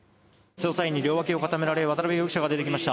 捜査員に両脇を固められ渡邉容疑者が出てきました。